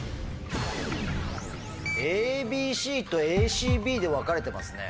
ＡＢＣとＡＣＢで分かれてますね。